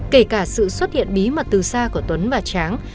kể cả sự xuất hiện bí mật từ xa của tuấn và tráng